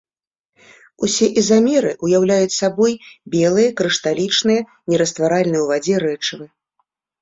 Усе ізамеры ўяўляюць сабой белыя крышталічныя нерастваральныя ў вадзе рэчывы.